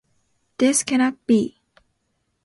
This cannot be!